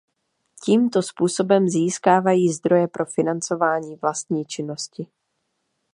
Tímto způsobem získávají zdroje pro financování vlastní činnosti.